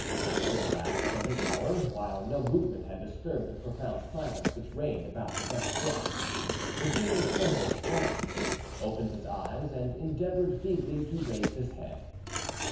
After the lapse of an hour, while no movement had disturbed the profound silence which reigned about the bed of death, the king trembled slightly; opened his eyes, and endeavoured feebly to raise his head.